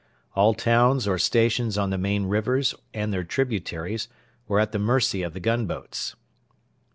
All towns or stations on the main rivers and their tributaries were at the mercy of the gunboats.